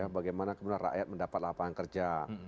bagaimana kemudian rakyat mendapat lapangan kerja